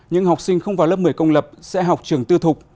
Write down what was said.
những học sinh không vào lớp một mươi công lập sẽ học trường tư thục